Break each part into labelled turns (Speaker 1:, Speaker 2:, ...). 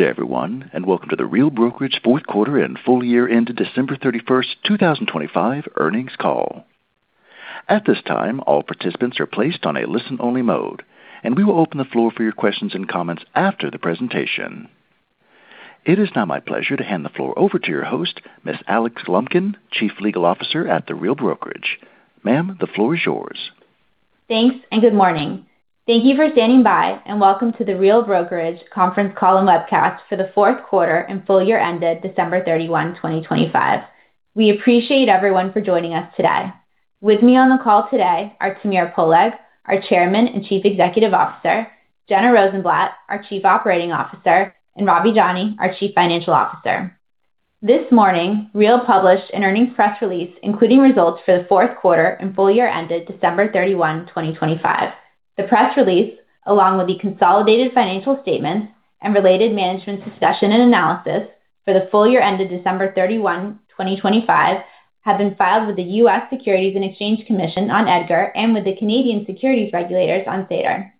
Speaker 1: Good day everyone, and welcome to The Real Brokerage Fourth Quarter and full-year ended December 31st, 2025 Earnings Call. At this time, all participants are placed on a listen-only mode, and we will open the floor for your questions and comments after the presentation. It is now my pleasure to hand the floor over to your host, Miss Alix Lumpkin, Chief Legal Officer at The Real Brokerage. Ma'am, the floor is yours.
Speaker 2: Thanks and good morning. Thank you for standing by and welcome to The Real Brokerage conference call and webcast for the fourth quarter and full-year ended December 31, 2025. We appreciate everyone for joining us today. With me on the call today are Tamir Poleg, our Chairman and Chief Executive Officer, Jenna Rozenblat, our Chief Operating Officer, and Ravi Jani, our Chief Financial Officer. This morning, Real published an earnings press release, including results for the fourth quarter and full-year ended December 31, 2025. The press release, along with the consolidated financial statements and related management's discussion and analysis for the full-year ended December 31, 2025, have been filed with the U.S. Securities and Exchange Commission on EDGAR and with the Canadian securities regulators on SEDAR.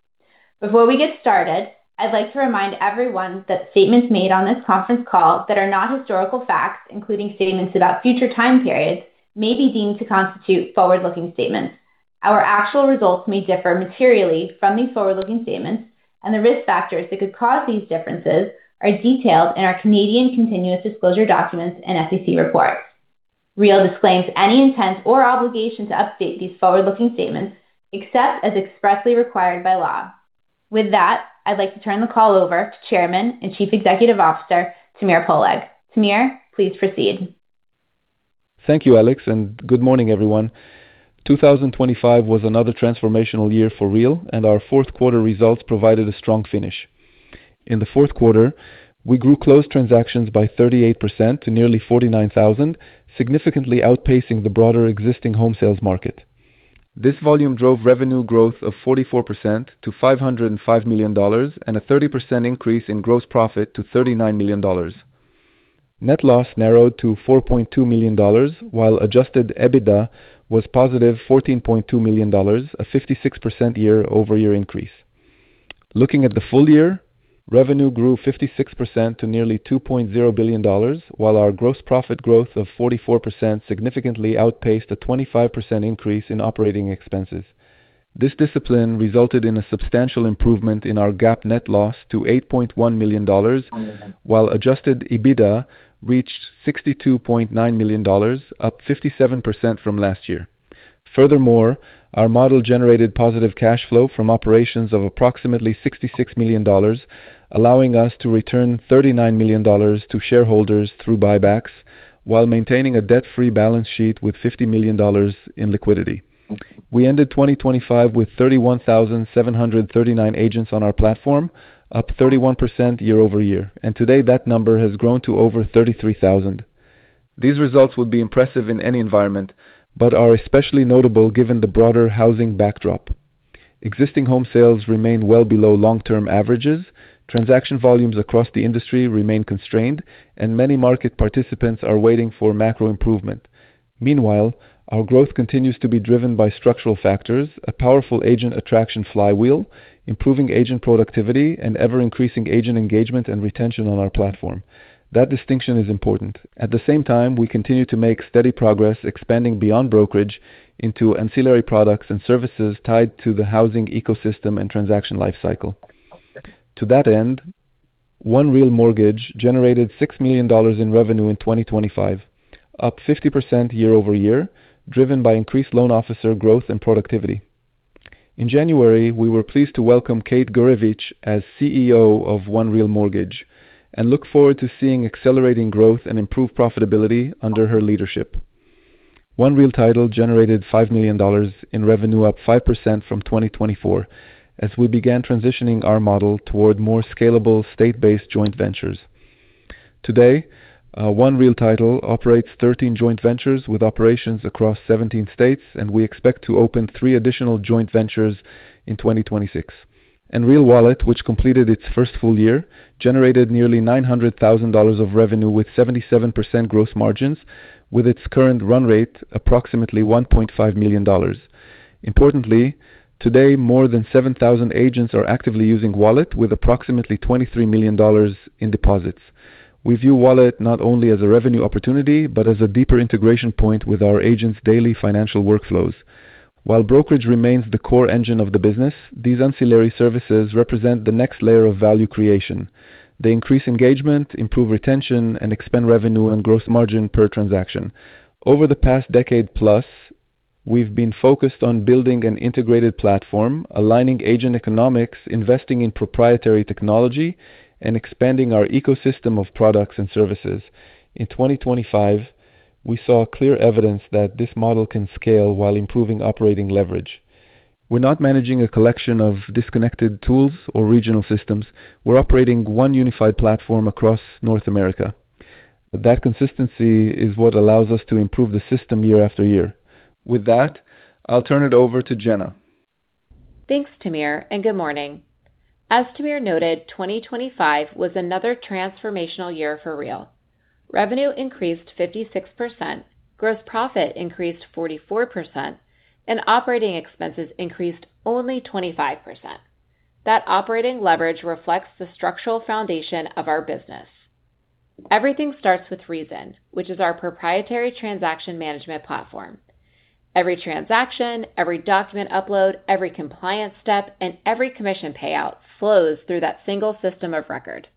Speaker 2: Before we get started, I'd like to remind everyone that statements made on this conference call that are not historical facts, including statements about future time periods, may be deemed to constitute forward-looking statements. Our actual results may differ materially from these forward-looking statements, and the risk factors that could cause these differences are detailed in our Canadian continuous disclosure documents and SEC reports. Real disclaims any intent or obligation to update these forward-looking statements except as expressly required by law. With that, I'd like to turn the call over to Chairman and Chief Executive Officer, Tamir Poleg. Tamir, please proceed.
Speaker 3: Thank you, Alix. Good morning everyone. 2025 was another transformational year for Real. Our fourth quarter results provided a strong finish. In the fourth quarter, we grew closed transactions by 38% to nearly 49,000, significantly outpacing the broader existing home sales market. This volume drove revenue growth of 44% to $505 million and a 30% increase in gross profit to $39 million. Net loss narrowed to $4.2 million while Adjusted EBITDA was +$14.2 million, a 56% year-over-year increase. Looking at the full-year, revenue grew 56% to nearly $2.0 billion, while our gross profit growth of 44% significantly outpaced a 25% increase in operating expenses. This discipline resulted in a substantial improvement in our GAAP net loss to $8.1 million, while Adjusted EBITDA reached $62.9 million, up 57% from last year. Furthermore, our model generated positive cash flow from operations of approximately $66 million, allowing us to return $39 million to shareholders through buybacks while maintaining a debt-free balance sheet with $50 million in liquidity. We ended 2025 with 31,739 agents on our platform, up 31% year-over-year, and today that number has grown to over 33,000. These results would be impressive in any environment, but are especially notable given the broader housing backdrop. Existing home sales remain well below long-term averages. Transaction volumes across the industry remain constrained, and many market participants are waiting for macro improvement. Meanwhile, our growth continues to be driven by structural factors, a powerful agent attraction flywheel, improving agent productivity, and ever-increasing agent engagement and retention on our platform. That distinction is important. At the same time, we continue to make steady progress expanding beyond brokerage into ancillary products and services tied to the housing ecosystem and transaction lifecycle. To that end, One Real Mortgage generated $6 million in revenue in 2025, up 50% year-over-year, driven by increased loan officer growth and productivity. In January, we were pleased to welcome Kate Gurevich as CEO of One Real Mortgage and look forward to seeing accelerating growth and improved profitability under her leadership. One Real Title generated $5 million in revenue, up 5% from 2024 as we began transitioning our model toward more scalable state-based joint ventures. Today, One Real Title operates 13 joint ventures with operations across 17 states, and we expect to open three additional joint ventures in 2026. Real Wallet, which completed its first full-year, generated nearly $900,000 of revenue with 77% gross margins with its current run rate approximately $1.5 million. Importantly, today, more than 7,000 agents are actively using Wallet with approximately $23 million in deposits. We view Wallet not only as a revenue opportunity, but as a deeper integration point with our agents' daily financial workflows. While brokerage remains the core engine of the business, these ancillary services represent the next layer of value creation. They increase engagement, improve retention, and expand revenue and gross margin per transaction. Over the past decade plus, we've been focused on building an integrated platform, aligning agent economics, investing in proprietary technology, and expanding our ecosystem of products and services. In 2025, we saw clear evidence that this model can scale while improving operating leverage. We're not managing a collection of disconnected tools or regional systems. We're operating one unified platform across North America. That consistency is what allows us to improve the system year-after-year. With that, I'll turn it over to Jenna.
Speaker 4: Thanks, Tamir, and good morning. As Tamir noted, 2025 was another transformational year for Real. Revenue increased 56%, gross profit increased 44%, and operating expenses increased only 25%. That operating leverage reflects the structural foundation of our business. Everything starts with reZEN, which is our proprietary transaction management platform. Every transaction, every document upload, every compliance step, and every commission payout flows through that single system of record.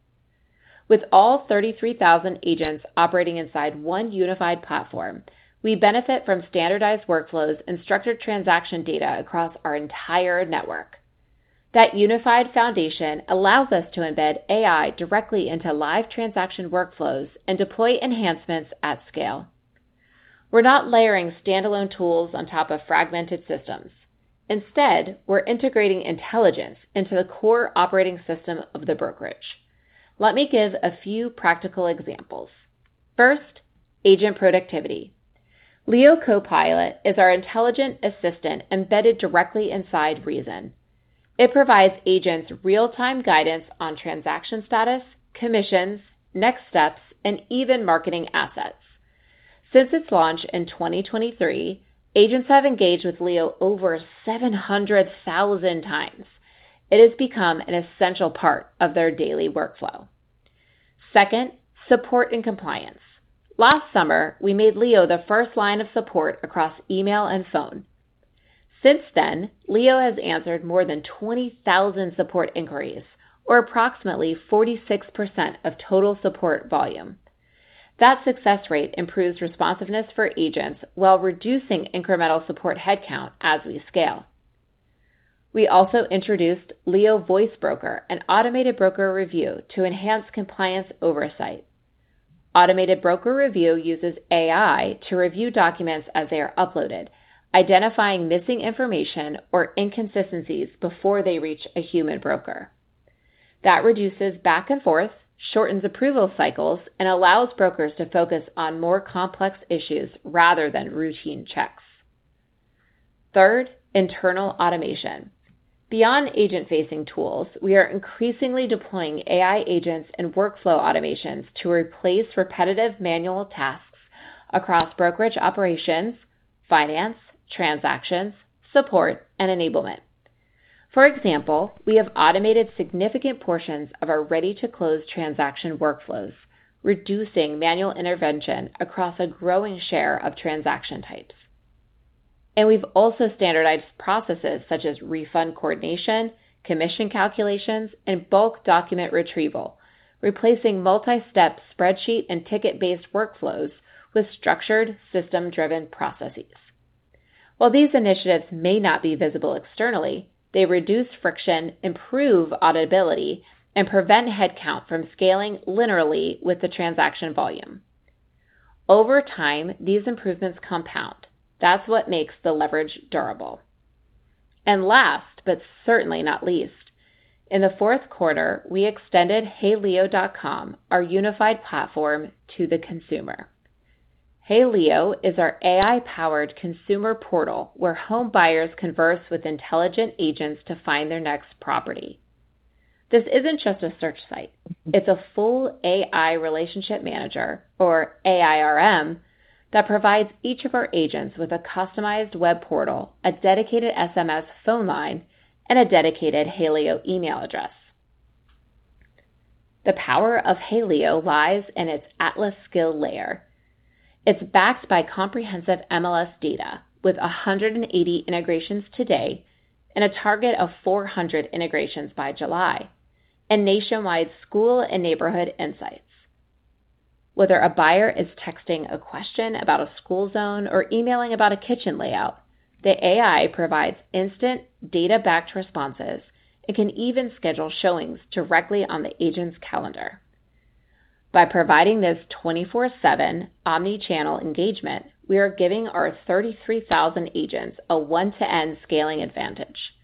Speaker 4: With all 33,000 agents operating inside one unified platform, we benefit from standardized workflows and structured transaction data across our entire network. That unified foundation allows us to embed AI directly into live transaction workflows and deploy enhancements at scale. We're not layering standalone tools on top of fragmented systems. Instead, we're integrating intelligence into the core operating system of the brokerage. Let me give a few practical examples. First, agent productivity. Leo CoPilot is our intelligent assistant embedded directly inside reZEN. It provides agents real-time guidance on transaction status, commissions, next steps, and even marketing assets. Since its launch in 2023, agents have engaged with Leo over 700,000 times. It has become an essential part of their daily workflow. Second, support and compliance. Last summer, we made Leo the first line of support across email and phone. Since then, Leo has answered more than 20,000 support inquiries, or approximately 46% of total support volume. That success rate improves responsiveness for agents while reducing incremental support headcount as we scale. We also introduced Leo Voice Broker and Automated Broker Review to enhance compliance oversight. Automated Broker Review uses AI to review documents as they are uploaded, identifying missing information or inconsistencies before they reach a human broker. That reduces back and forth, shortens approval cycles, and allows brokers to focus on more complex issues rather than routine checks. Third, internal automation. Beyond agent-facing tools, we are increasingly deploying AI agents and workflow automations to replace repetitive manual tasks across brokerage operations, finance, transactions, support, and enablement. For example, we have automated significant portions of our ready-to-close transaction workflows, reducing manual intervention across a growing share of transaction types. We've also standardized processes such as refund coordination, commission calculations, and bulk document retrieval, replacing multi-step spreadsheet and ticket-based workflows with structured system-driven processes. While these initiatives may not be visible externally, they reduce friction, improve auditability, and prevent headcount from scaling linearly with the transaction volume. Over time, these improvements compound. That's what makes the leverage durable. Last, but certainly not least, in the fourth quarter, we extended HeyLeo.com, our unified platform, to the consumer. HeyLeo is our AI-powered consumer portal where home buyers converse with intelligent agents to find their next property. This isn't just a search site. It's a full AI relationship manager, or AIRM, that provides each of our agents with a customized web portal, a dedicated SMS phone line, and a dedicated HeyLeo email address. The power of HeyLeo lies in its Atlas skill layer. It's backed by comprehensive MLS data with 180 integrations today, and a target of 400 integrations by July, and nationwide school and neighborhood insights. Whether a buyer is texting a question about a school zone or emailing about a kitchen layout, the AI provides instant data-backed responses. It can even schedule showings directly on the agent's calendar. By providing this 24/7 omni-channel engagement, we are giving our 33,000 agents a one-to-end scaling advantage.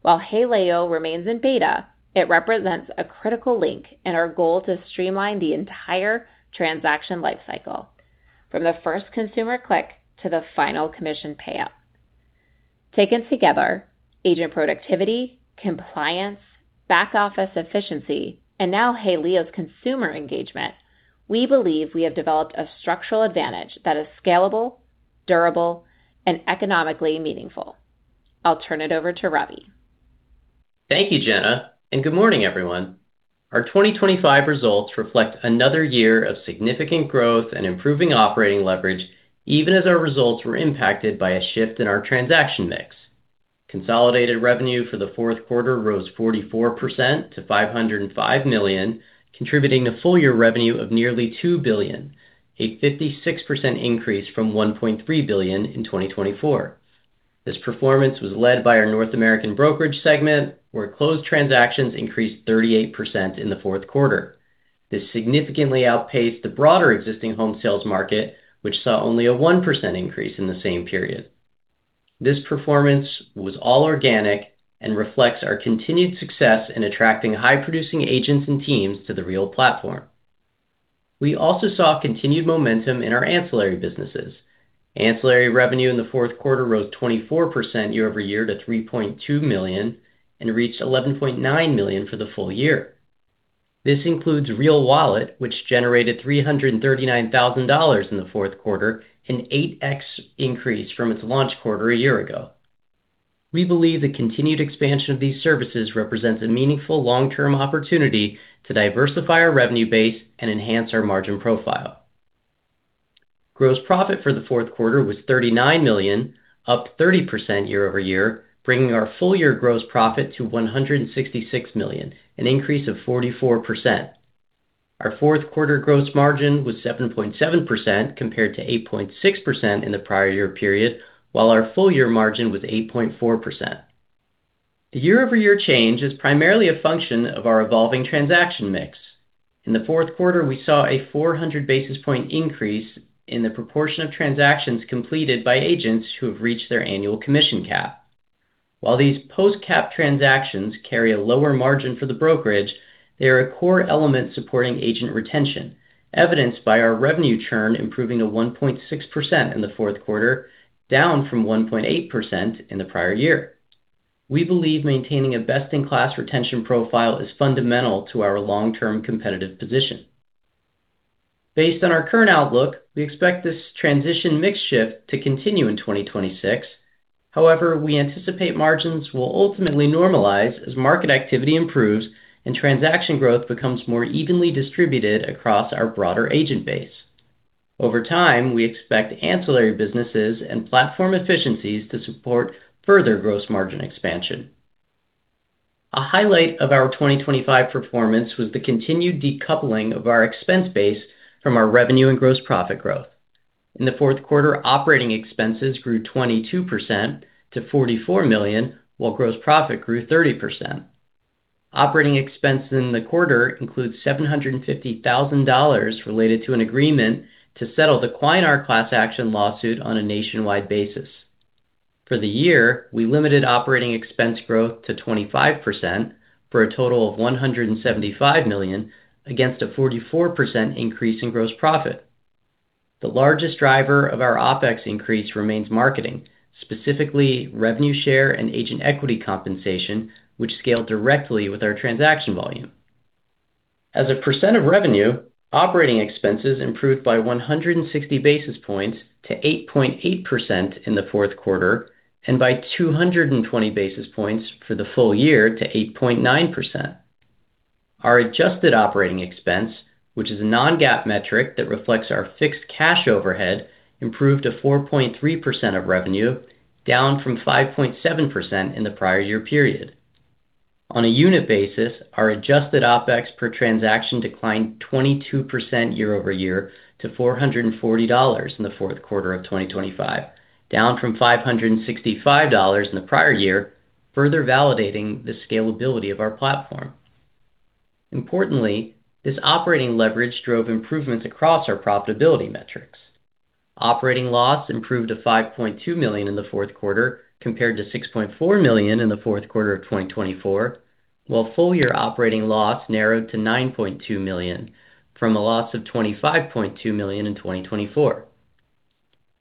Speaker 4: While HeyLeo remains in beta, it represents a critical link in our goal to streamline the entire transaction lifecycle, from the first consumer click to the final commission payout. Taken together, agent productivity, compliance, back office efficiency, and now HeyLeo's consumer engagement, we believe we have developed a structural advantage that is scalable, durable, and economically meaningful. I'll turn it over to Ravi.
Speaker 5: Thank you, Jenna, and good morning, everyone. Our 2025 results reflect another year of significant growth and improving operating leverage, even as our results were impacted by a shift in our transaction mix. Consolidated revenue for the fourth quarter rose 44% to $505 million, contributing to full-year revenue of nearly $2 billion, a 56% increase from $1.3 billion in 2024. This performance was led by our North American Brokerage segment, where closed transactions increased 38% in the fourth quarter. This significantly outpaced the broader existing home sales market, which saw only a 1% increase in the same period. This performance was all organic and reflects our continued success in attracting high-producing agents and teams to the Real platform. We also saw continued momentum in our ancillary businesses. Ancillary revenue in the fourth quarter rose 24% year-over-year to $3.2 million and reached $11.9 million for the full-year. This includes Real Wallet, which generated $339,000 in the fourth quarter, an 8x increase from its launch quarter a year ago. We believe the continued expansion of these services represents a meaningful long-term opportunity to diversify our revenue base and enhance our margin profile. Gross profit for the fourth quarter was $39 million, up 30% year-over-year, bringing our full-year gross profit to $166 million, an increase of 44%. Our fourth quarter gross margin was 7.7% compared to 8.6% in the prior year period, while our full-year margin was 8.4%. The year-over-year change is primarily a function of our evolving transaction mix. In the fourth quarter, we saw a 400 basis point increase in the proportion of transactions completed by agents who have reached their annual commission cap. While these post-cap transactions carry a lower margin for the brokerage, they are a core element supporting agent retention, evidenced by our revenue churn improving to 1.6% in the fourth quarter, down from 1.8% in the prior year. We believe maintaining a best-in-class retention profile is fundamental to our long-term competitive position. Based on our current outlook, we expect this transition mix-shift to continue in 2026. However, we anticipate margins will ultimately normalize as market activity improves and transaction growth becomes more evenly distributed across our broader agent-based. Over time, we expect ancillary businesses and platform efficiencies to support further gross-margin expansion. A highlight of our 2025 performance was the continued decoupling of our expense base from our revenue and gross profit growth. In the fourth quarter, operating expenses grew 22% to $44 million, while gross profit grew 30%. Operating expense in the quarter includes $750,000 related to an agreement to settle the Cwynar class action lawsuit on a nationwide basis. For the year, we limited operating expense growth to 25% for a total of $175 million against a 44% increase in gross profit. The largest driver of our OpEx increase remains marketing, specifically revenue share and agent equity compensation, which scale directly with our transaction volume. As a percent of revenue, operating expenses improved by 160 basis points to 8.8% in the fourth quarter and by 220 basis points for the full-year to 8.9%. Our adjusted operating expense, which is a non-GAAP metric that reflects our fixed cash overhead, improved to 4.3% of revenue, down from 5.7% in the prior year period. On a unit basis, our Adjusted OpEx per transaction declined 22% year-over-year to $440 in the fourth quarter of 2025, down from $565 in the prior year, further validating the scalability of our platform. Importantly, this operating leverage drove improvements across our profitability metrics. Operating loss improved to $5.2 million in the fourth quarter compared to $6.4 million in the fourth quarter of 2024, while full-year operating loss narrowed to $9.2 million from a loss of $25.2 million in 2024.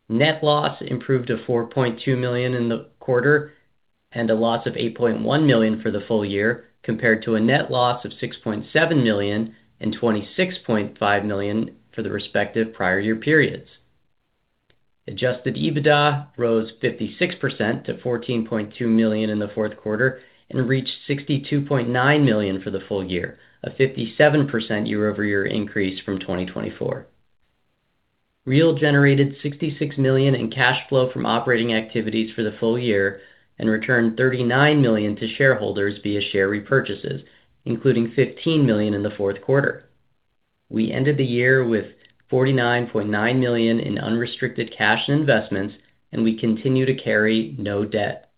Speaker 5: Net loss improved to $4.2 million in the quarter and a loss of $8.1 million for the full-year, compared to a net loss of $6.7 million, and $26.5 million for the respective prior year periods. Adjusted EBITDA rose 56% to $14.2 million in the fourth quarter and reached $62.9 million for the full-year, a 57% year-over-year increase from 2024. Real generated $66 million in cash flow from operating activities for the full-year and returned $39 million to shareholders via share repurchases, including $15 million in the fourth quarter. We ended the year with $49.9 million in unrestricted cash and investments. We continue to carry no debt.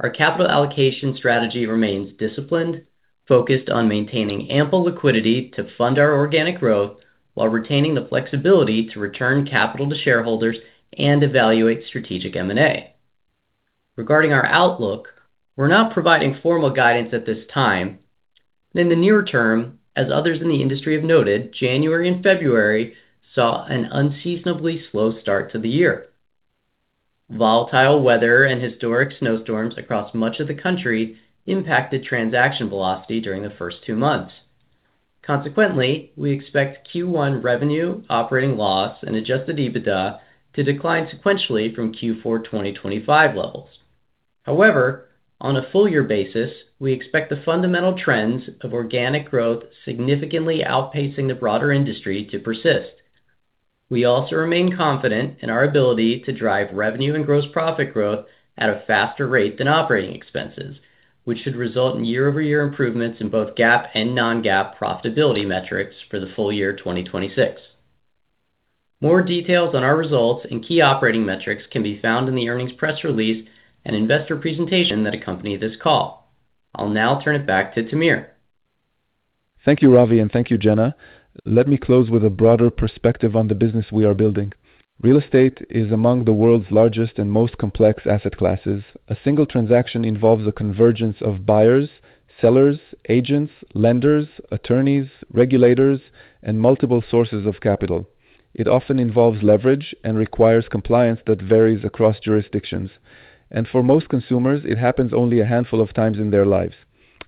Speaker 5: Our capital allocation strategy remains disciplined, focused on maintaining ample liquidity to fund our organic growth while retaining the flexibility to return capital to shareholders and evaluate strategic M&A. Regarding our outlook, we're not providing formal guidance at this time. In the near term, as others in the industry have noted, January and February saw an unseasonably slow start to the year. Volatile weather and historic snowstorms across much of the country impacted transaction velocity during the first two months. Consequently, we expect Q1 revenue, operating loss, and Adjusted EBITDA to decline sequentially from Q4 2025 levels. On a full-year basis, we expect the fundamental trends of organic growth significantly outpacing the broader industry to persist. We also remain confident in our ability to drive revenue and gross profit growth at a faster rate than operating expenses, which should result in year-over-year improvements in both GAAP and non-GAAP profitability metrics for the full-year 2026. More details on our results and key operating metrics can be found in the earnings press release and investor presentation that accompany this call. I'll now turn it back to Tamir.
Speaker 3: Thank you, Ravi, and thank you, Jenna. Let me close with a broader perspective on the business we are building. Real estate is among the world's largest and most complex asset classes. A single transaction involves a convergence of buyers, sellers, agents, lenders, attorneys, regulators, and multiple sources of capital. It often involves leverage and requires compliance that varies across jurisdictions. For most consumers, it happens only a handful of times in their lives.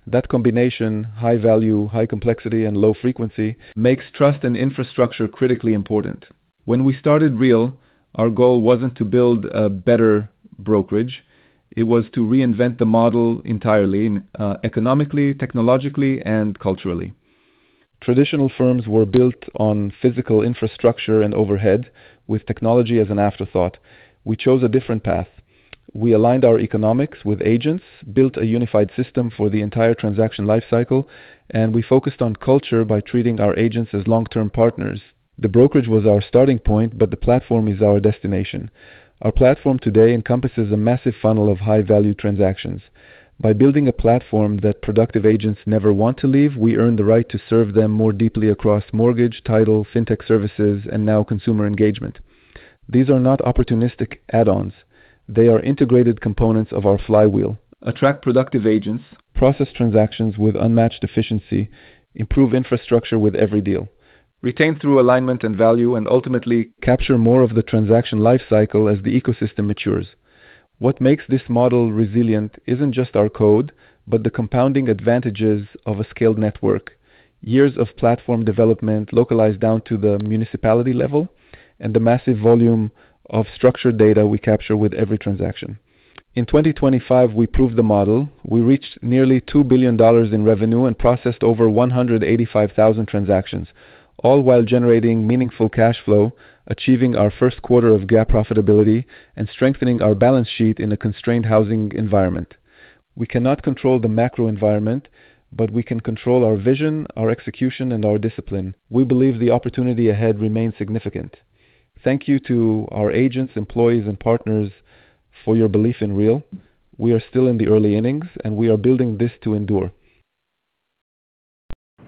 Speaker 3: That combination, high value, high complexity, and low frequency makes trust and infrastructure critically important. When we started Real, our goal wasn't to build a better brokerage. It was to reinvent the model entirely, economically, technologically, and culturally. Traditional firms were built on physical infrastructure and overhead, with technology as an afterthought. We chose a different path. We aligned our economics with agents, built a unified system for the entire transaction life cycle, we focused on culture by treating our agents as long-term partners. The brokerage was our starting point, the platform is our destination. Our platform today encompasses a massive funnel of high-value transactions. By building a platform that productive agents never want to leave, we earn the right to serve them more deeply across mortgage, title, fintech services, and now consumer engagement. These are not opportunistic add-ons. They are integrated components of our flywheel. Attract productive agents, process transactions with unmatched efficiency, improve infrastructure with every deal, retain through alignment and value, ultimately capture more of the transaction lifecycle as the ecosystem matures. What makes this model resilient isn't just our code, the compounding advantages of a scaled network. Years of platform development localized down to the municipality level and the massive volume of structured data we capture with every transaction. In 2025, we proved the model. We reached nearly $2 billion in revenue and processed over 185,000 transactions, all while generating meaningful cash flow, achieving our first quarter of GAAP profitability, and strengthening our balance sheet in a constrained housing environment. We cannot control the macro environment, but we can control our vision, our execution, and our discipline. We believe the opportunity ahead remains significant. Thank you to our agents, employees, and partners for your belief in Real. We are still in the early innings, and we are building this to endure.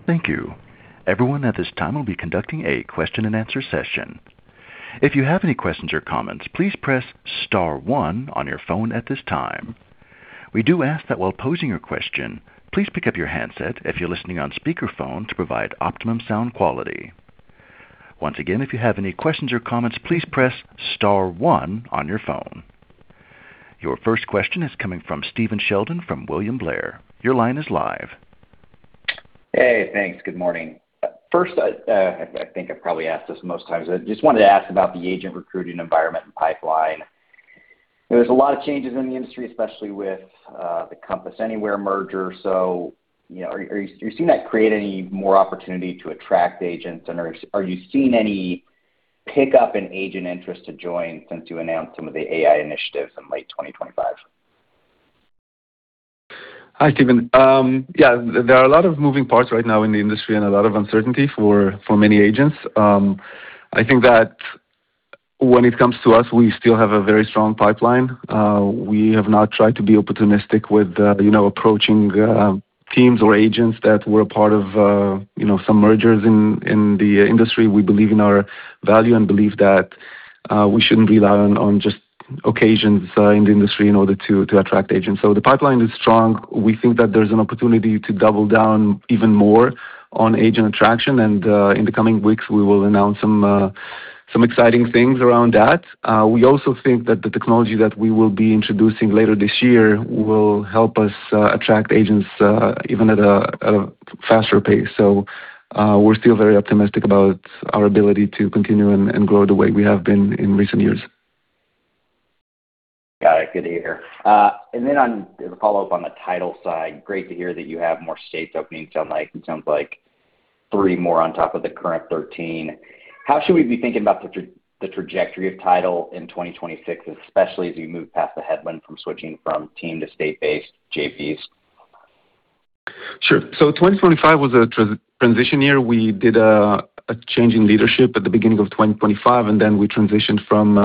Speaker 1: Thank you. Everyone at this time will be conducting a question and answer session. If you have any questions or comments, please press star one on your phone at this time. We do ask that while posing your question, please pick up your handset if you're listening on speakerphone to provide optimum sound quality. Once again, if you have any questions or comments, please press star one on your phone. Your first question is coming from Stephen Sheldon from William Blair. Your line is live.
Speaker 6: Hey, thanks. Good morning. First, I think I've probably asked this most times. I just wanted to ask about the agent recruiting environment and pipeline. There's a lot of changes in the industry, especially with the Compass Anywhere merger. you know, are you seeing that create any more opportunity to attract agents? are you seeing any pickup in agent interest to join since you announced some of the AI initiatives in late 2025?
Speaker 3: Hi, Stephen. Yeah, there are a lot of moving parts right now in the industry and a lot of uncertainty for many agents. I think that when it comes to us, we still have a very strong pipeline. We have not tried to be opportunistic with, you know, approaching teams or agents that were a part of, you know, some mergers in the industry. We believe in our value and believe that we shouldn't rely on just occasions in the industry in order to attract agents. The pipeline is strong. We think that there's an opportunity to double down even more on agent attraction. In the coming weeks, we will announce some exciting things around that. We also think that the technology that we will be introducing later this year will help us attract agents even at a faster pace. We're still very optimistic about our ability to continue and grow the way we have been in recent years.
Speaker 6: Got it. Good to hear. Then on the follow-up on the title side, great to hear that you have more states opening tonight. It sounds like three more on top of the current 13. How should we be thinking about the trajectory of title in 2026, especially as you move past the headland from switching from team to state-based JVs?
Speaker 3: Sure. 2025 was a transition year. We did a change in leadership at the beginning of 2025, and then we transitioned from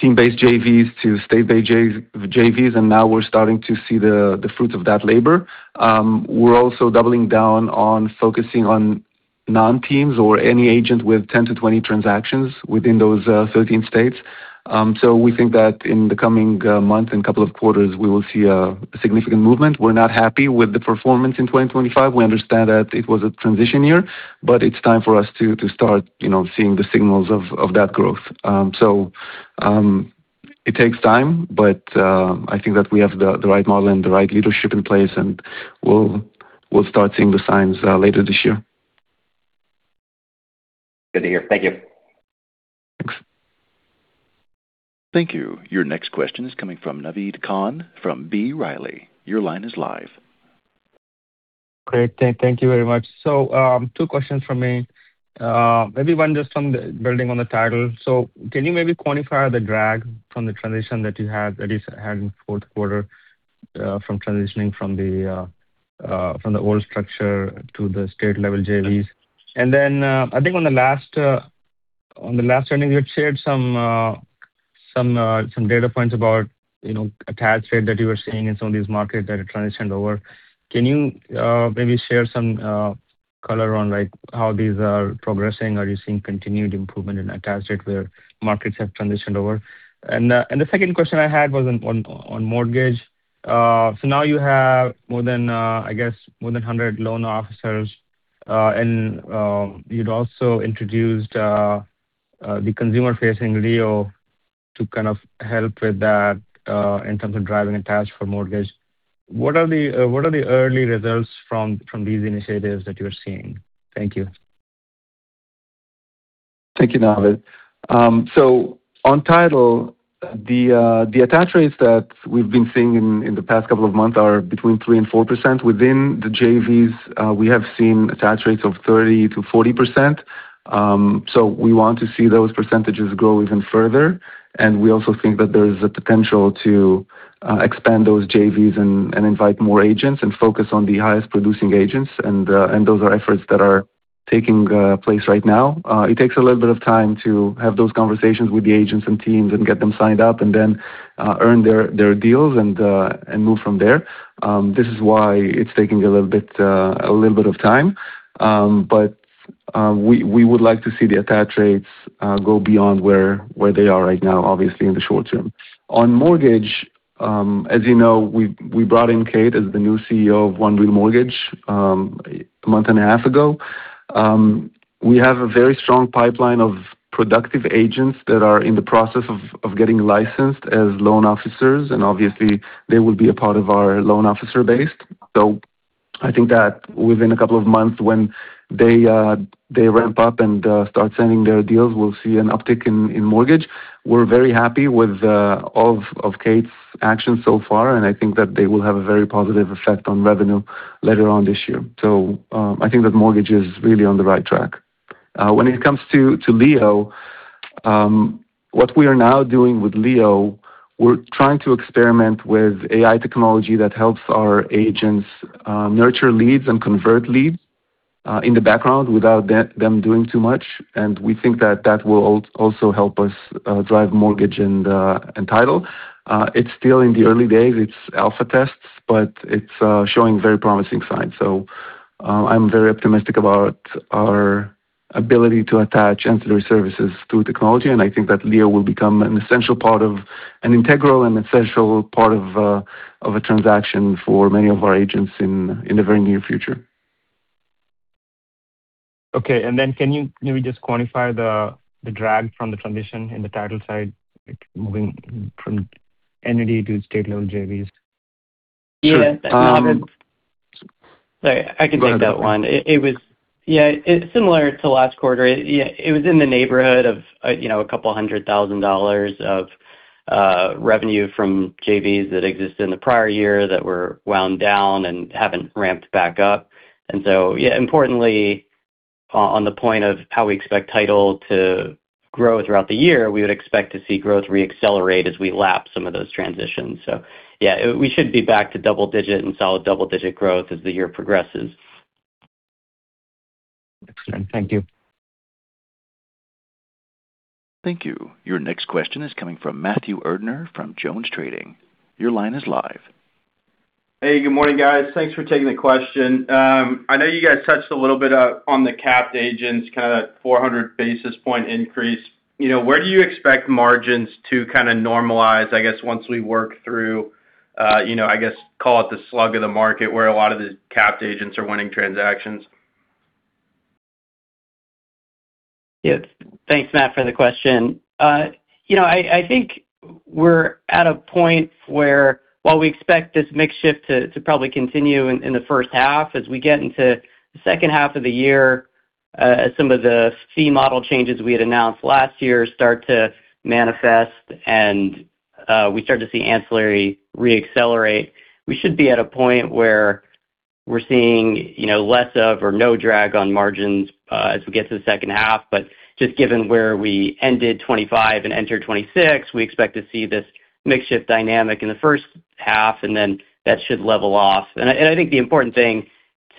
Speaker 3: team-based JVs to state-based JVs, and now we're starting to see the fruits of that labor. We're also doubling down on focusing on non-teams or any agent with 10 to 20 transactions within those 13 states. We think that in the coming month and couple of quarters, we will see a significant movement. We're not happy with the performance in 2025. We understand that it was a transition year, but it's time for us to start, you know, seeing the signals of that growth. It takes time, but I think that we have the right model and the right leadership in place, and we'll start seeing the signs later this year.
Speaker 6: Good to hear. Thank you.
Speaker 3: Thanks.
Speaker 1: Thank you. Your next question is coming from Naved Khan from B. Riley. Your line is live.
Speaker 7: Great. Thank you very much. Two questions from me. maybe one just building on the title. can you maybe quantify the drag from the transition that is had in fourth quarter from transitioning from the old structure to the state level JVs? I think on the last on the last earnings, you had shared some some some data points about, you know, attach rate that you were seeing in some of these markets that are transitioned over. Can you maybe share some color on, like, how these are progressing? Are you seeing continued improvement in attach rate where markets have transitioned over? The second question I had was on mortgage. Now you have more than, I guess, more than 100 loan officers, and you'd also introduced the consumer-facing Leo to kind of help with that in terms of driving attach for mortgage. What are the early results from these initiatives that you're seeing? Thank you.
Speaker 3: Thank you, Naved. On title, the attach rates that we've been seeing in the past couple of months are between 3% and 4%. Within the JVs, we have seen attach rates of 30%-40%. We want to see those percentages grow even further. We also think that there's a potential to expand those JVs and invite more agents and focus on the highest-producing agents and those are efforts that are taking place right now. It takes a little bit of time to have those conversations with the agents and teams and get them signed up and then earn their deals and move from there. This is why it's taking a little bit of time. We would like to see the attach rates go beyond where they are right now, obviously, in the short term. As you know, we brought in Kate as the new CEO of One Real Mortgage a month and a half ago. We have a very strong pipeline of productive agents that are in the process of getting licensed as loan officers, and obviously they will be a part of our loan officer base. I think that within a couple of months when they ramp up and start sending their deals, we'll see an uptick in mortgage. We're very happy with all of Kate's actions so far, and I think that they will have a very positive effect on revenue later on this year. I think that mortgage is really on the right track. When it comes to Leo, what we are now doing with Leo, we're trying to experiment with AI technology that helps our agents nurture leads and convert leads in the background without them doing too much. We think that that will also help us drive mortgage and title. It's still in the early days, it's alpha tests, but it's showing very promising signs. I'm very optimistic about our ability to attach ancillary services through technology, and I think that Leo will become an integral and essential part of a transaction for many of our agents in the very near future.
Speaker 7: Okay. Then can you maybe just quantify the drag from the transition in the title side, like moving from entity to state-level JVs?
Speaker 3: Sure.
Speaker 5: Naved, sorry, I can take that one. It was similar to last quarter. It was in the neighborhood of, you know, $200,000 of revenue from JVs that existed in the prior year that were wound down and haven't ramped back up. Importantly, on the point of how we expect Title to grow throughout the year, we would expect to see growth re-accelerate as we lap some of those transitions. We should be back to double digit and solid double-digit growth as the year progresses.
Speaker 7: Excellent. Thank you.
Speaker 1: Thank you. Your next question is coming from Matthew Erdner from JonesTrading. Your line is live.
Speaker 8: Hey, good morning, guys. Thanks for taking the question. I know you guys touched a little bit on the capped agents, kinda 400 basis point increase. You know, where do you expect margins to kinda normalize, I guess, once we work through, you know, I guess, call it the slug of the market where a lot of the capped agents are winning transactions?
Speaker 5: Yes. Thanks, Matt, for the question. You know, I think we're at a point where while we expect this mix shift to probably continue in the first half, as we get into the second half of the year, as some of the fee model changes we had announced last year start to manifest and we start to see ancillary re-accelerate, we should be at a point where we're seeing, you know, less of or no drag on margins as we get to the second half. Just given where we ended 2025 and entered 2026, we expect to see this mix shift dynamic in the first half, and then that should level off. I think the important thing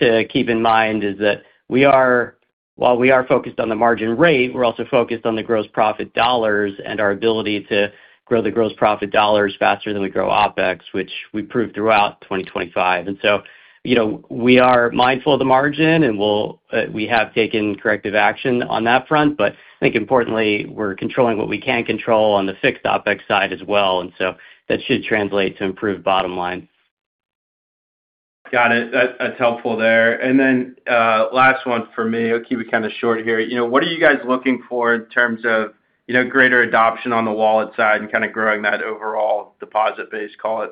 Speaker 5: to keep in mind is that while we are focused on the margin rate, we're also focused on the gross profit dollars and our ability to grow the gross profit dollars faster than we grow OpEx, which we proved throughout 2025. You know, we are mindful of the margin, and we'll, we have taken corrective action on that front, but I think importantly, we're controlling what we can control on the fixed OpEx side as well, and so that should translate to improved bottom line.
Speaker 8: Got it. That's helpful there. Then, last one for me. I'll keep it kinda short here. You know, what are you guys looking for in terms of, you know, greater adoption on the wallet side and kinda growing that overall deposit base, call it?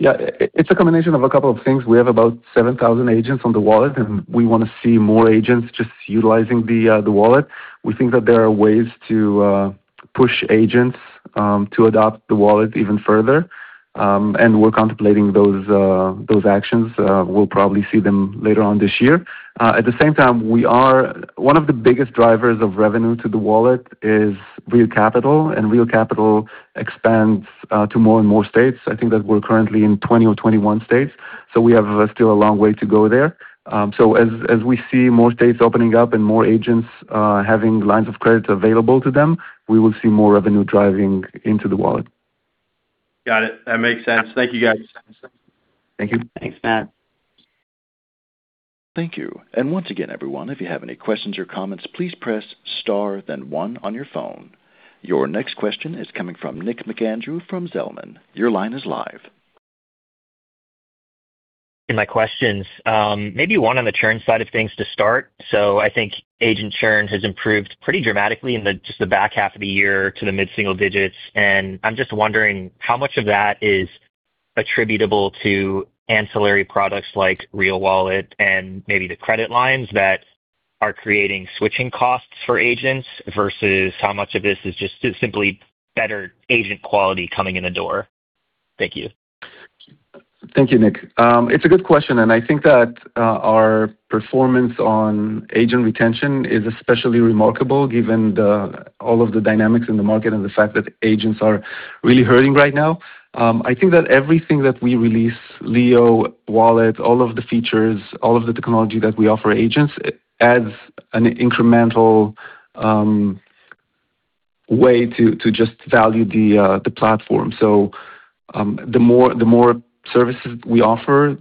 Speaker 3: Yeah. It's a combination of a couple of things. We have about 7,000 agents on the Real Wallet, and we wanna see more agents just utilizing the Real Wallet. We think that there are ways to push agents to adopt the Real Wallet even further. We're contemplating those actions. We'll probably see them later on this year. At the same time, one of the biggest drivers of revenue to the Real Wallet is Real Wallet Capital. Real Wallet Capital expands to more and more states. I think that we're currently in 20 or 21 states, we have still a long way to go there. As we see more states opening up and more agents having lines of credit available to them, we will see more revenue driving into the Real Wallet.
Speaker 8: Got it. That makes sense. Thank you, guys.
Speaker 3: Thank you.
Speaker 5: Thanks, Matt.
Speaker 1: Thank you. Once again, everyone, if you have any questions or comments, please press Star than 1 on your phone. Your next question is coming from Nick McAndrew from Zelman. Your line is live.
Speaker 9: In my questions, maybe one on the churn side of things to start. I think agent churn has improved pretty dramatically in the just the back half of the year to the mid-single digits, and I'm just wondering how much of that is attributable to ancillary products like Real Wallet and maybe the credit lines that are creating switching costs for agents versus how much of this is just simply better agent quality coming in the door. Thank you.
Speaker 3: Thank you, Nick. It's a good question, and I think that our performance on agent retention is especially remarkable given all of the dynamics in the market and the fact that agents are really hurting right now. I think that everything that we release, Leo, Wallet, all of the features, all of the technology that we offer agents adds an incremental way to just value the platform. The more, the more services we offer,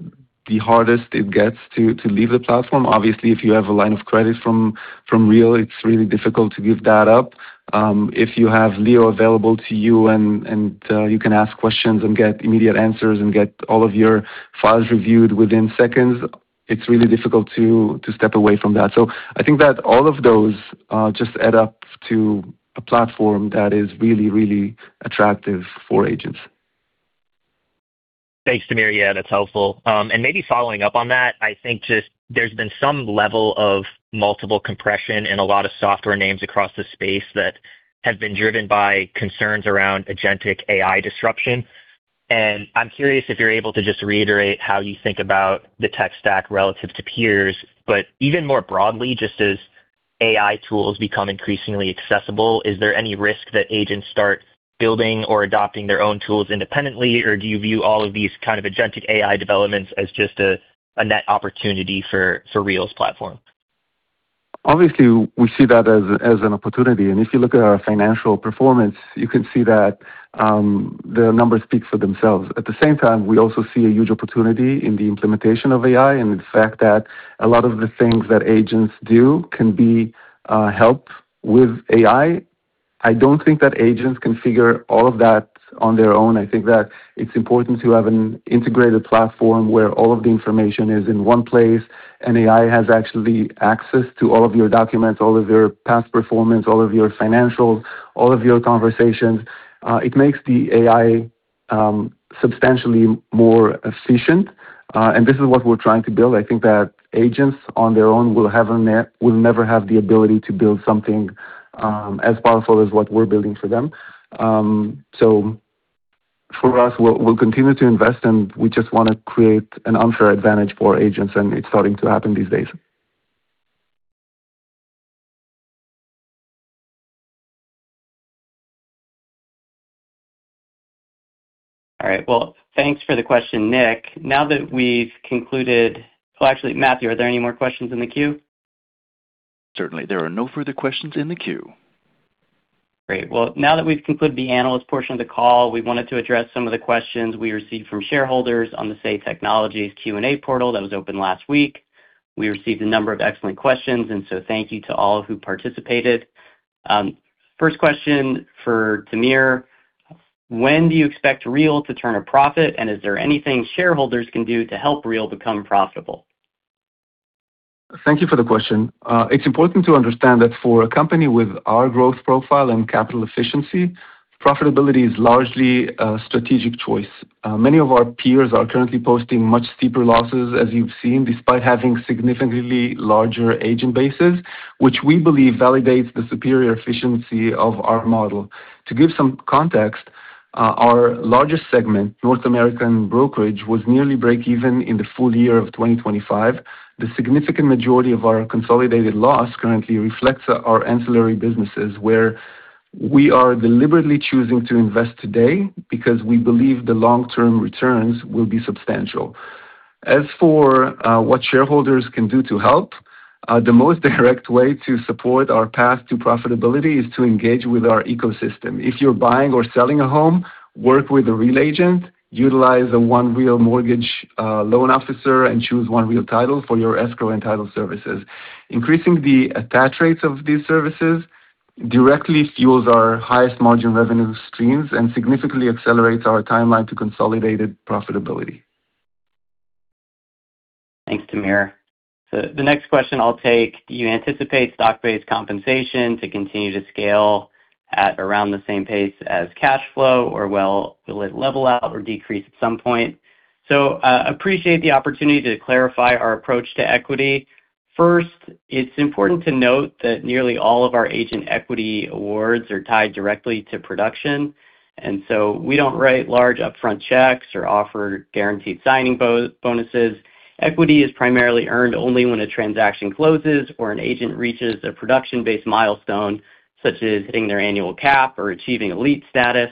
Speaker 3: the hardest it gets to leave the platform. Obviously, if you have a line of credit from Real, it's really difficult to give that up. If you have Leo available to you and you can ask questions and get immediate answers and get all of your files reviewed within seconds, it's really difficult to step away from that. I think that all of those just add up to a platform that is really, really attractive for agents.
Speaker 10: Thanks, Tamir. Yeah, that's helpful. Maybe following up on that, I think just there's been some level of multiple compression in a lot of software names across the space that have been driven by concerns around agentic AI disruption. I'm curious if you're able to just reiterate how you think about the tech stack relative to peers. Even more broadly, just as AI tools become increasingly accessible, is there any risk that agents start building or adopting their own tools independently, or do you view all of these kind of agentic AI developments as just a net opportunity for Real's platform?
Speaker 3: Obviously, we see that as an opportunity. If you look at our financial performance, you can see that the numbers speak for themselves. At the same time, we also see a huge opportunity in the implementation of AI and the fact that a lot of the things that agents do can be helped with AI. I don't think that agents can figure all of that on their own. I think that it's important to have an integrated platform where all of the information is in one place, and AI has actually access to all of your documents, all of your past performance, all of your financials, all of your conversations. It makes the AI substantially more efficient. This is what we're trying to build. I think that agents on their own will never have the ability to build something as powerful as what we're building for them. For us, we'll continue to invest, we just wanna create an unfair advantage for agents, it's starting to happen these days.
Speaker 5: All right. Well, thanks for the question, Nick. Well, actually, Matthew, are there any more questions in the queue?
Speaker 1: Certainly, there are no further questions in the queue.
Speaker 5: Great. Well, now that we've concluded the analyst portion of the call, we wanted to address some of the questions we received from shareholders on the Say Technologies Q&A portal that was open last week. We received a number of excellent questions. Thank you to all who participated. First question for Tamir. When do you expect Real to turn a profit, and is there anything shareholders can do to help Real become profitable?
Speaker 3: Thank you for the question. It's important to understand that for a company with our growth profile and capital efficiency, profitability is largely a strategic choice. Many of our peers are currently posting much steeper losses, as you've seen, despite having significantly larger agent bases, which we believe validates the superior efficiency of our model. To give some context, our largest segment, North American Brokerage, was nearly break even in the full-year of 2025. The significant majority of our consolidated loss currently reflects our ancillary businesses, where we are deliberately choosing to invest today because we believe the long-term returns will be substantial. As for what shareholders can do to help, the most direct way to support our path to profitability is to engage with our ecosystem. If you're buying or selling a home, work with a Real agent, utilize a One Real Mortgage loan officer, and choose One Real Title for your escrow and title services. Increasing the attach rates of these services directly fuels our highest margin revenue streams and significantly accelerates our timeline to consolidated profitability.
Speaker 5: Thanks, Tamir. The next question I'll take. Do you anticipate stock-based compensation to continue to scale at around the same pace as cash flow or will it level out or decrease at some point? Appreciate the opportunity to clarify our approach to equity. First, it's important to note that nearly all of our agent equity awards are tied directly to production, and so we don't write large upfront checks or offer guaranteed signing bonuses. Equity is primarily earned only when a transaction closes or an agent reaches a production-based milestone, such as hitting their annual cap or achieving elite status.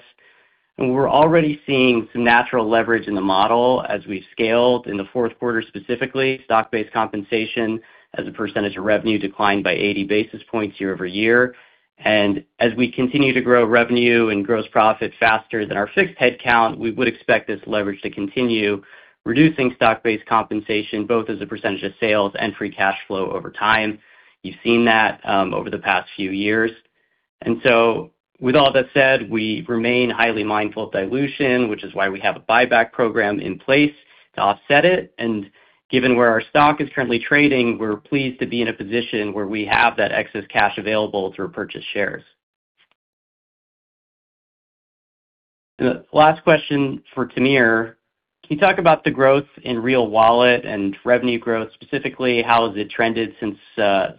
Speaker 5: We're already seeing some natural leverage in the model as we've scaled. In the fourth quarter, specifically, stock-based compensation as a percentage of revenue declined by 80 basis points year-over-year. As we continue to grow revenue and gross profit faster than our fixed headcount, we would expect this leverage to continue reducing stock-based compensation, both as a % of sales and free cash flow over time. You've seen that over the past few years. With all that said, we remain highly mindful of dilution, which is why we have a buyback program in place to offset it. Given where our stock is currently trading, we're pleased to be in a position where we have that excess cash available to repurchase shares. Last question for Tamir. Can you talk about the growth in Real Wallet and revenue growth specifically? How has it trended since the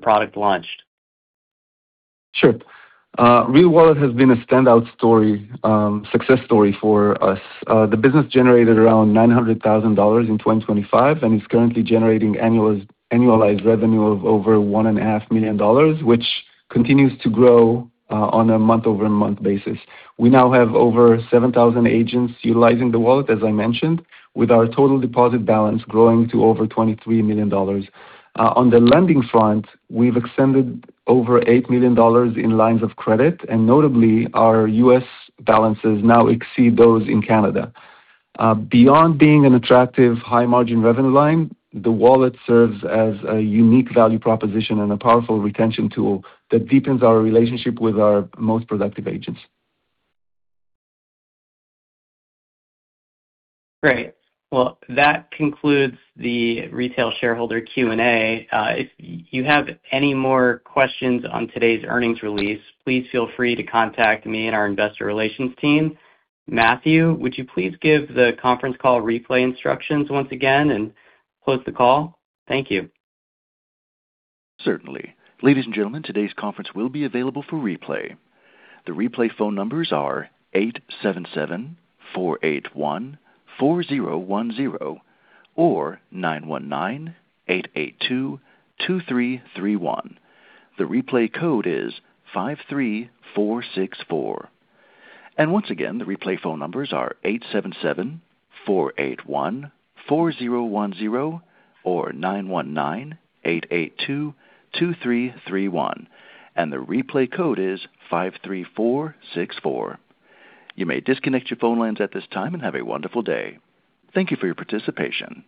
Speaker 5: product launched?
Speaker 3: Sure. Real Wallet has been a standout story, success story for us. The business generated around $900,000 in 2025 and is currently generating annualized revenue of over $1.5 million, which continues to grow on a month-over-month basis. We now have over 7,000 agents utilizing the wallet, as I mentioned, with our total deposit balance growing to over $23 million. On the lending front, we've extended over $8 million in lines of credit, and notably, our U.S. balances now exceed those in Canada. Beyond being an attractive high-margin revenue line, the wallet serves as a unique value proposition and a powerful retention tool that deepens our relationship with our most productive agents.
Speaker 5: Great. Well, that concludes the retail shareholder Q&A. If you have any more questions on today's earnings release, please feel free to contact me and our investor relations team. Matthew, would you please give the conference call replay instructions once again and close the call? Thank you.
Speaker 1: Certainly. Ladies and gentlemen, today's conference will be available for replay. The replay phone numbers are 877 481 4010 or 919 882 2331. The replay code is 53464. Once again, the replay phone numbers are 877 481 4010 or 919 882 2331. The replay code is 53464. You may disconnect your phone lines at this time and have a wonderful day. Thank you for your participation.